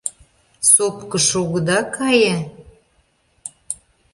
Сопкыш огыда кае?..